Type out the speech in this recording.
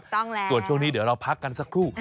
ต้องแล้วส่วนช่วงนี้เดี๋ยวเราพักกันสักครู่